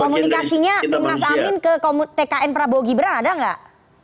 komunikasinya timnas amin ke tkn prabowo gibran ada nggak